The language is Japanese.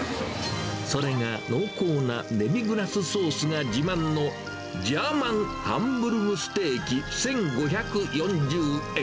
それが濃厚なデミグラスソースが自慢の、ジャーマンハンブルグステーキ１５４０円。